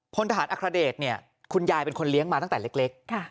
พลทหารอัครเดชเนี่ยคุณยายเป็นคนเลี้ยงมาตั้งแต่เล็ก